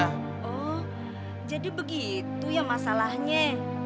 oh jadi begitu ya masalahnya